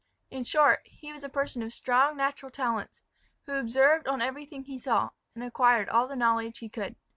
In short, he was a person of strong natural talents, who observed on everything he saw, and acquired all the knowledge he could.